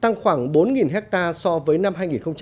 tăng khoảng bốn hectare so với năm hai nghìn một mươi chín